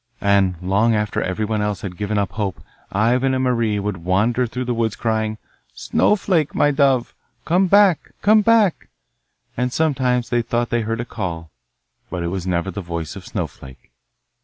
And long after everyone else had given up hope Ivan and Marie would wander through the woods crying 'Snowflake, my dove, come back, come back!' And sometimes they thought they heard a call, but it was never the voice of Snowflake.